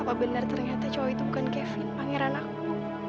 apa benar ternyata cowok itu bukan kevin pangeran aku